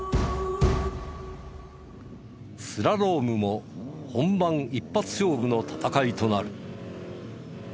スラロームも本番一発勝負の戦いとなる。